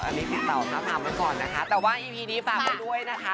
อันนี้ติดต่อมาฝากไว้ก่อนนะคะแต่ว่าอีพีนี้ฝากไว้ด้วยนะคะ